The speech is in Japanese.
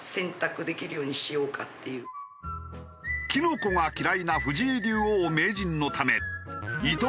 キノコが嫌いな藤井竜王・名人のため糸